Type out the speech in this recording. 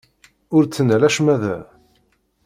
Ur ttnal acemma da.